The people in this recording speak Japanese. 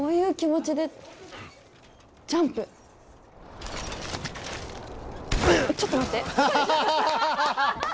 ちょっと待って。